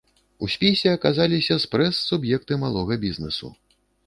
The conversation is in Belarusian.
У спісе аказаліся спрэс суб'екты малога бізнэсу.